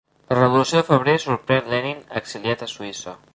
La Revolució de febrer sorprèn Lenin exiliat a Suïssa.